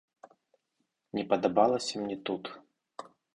Не падабалася мне тут.